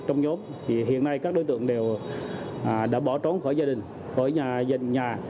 trong nhóm thì hiện nay các đối tượng đều đã bỏ trốn khỏi gia đình khỏi nhà dành nhà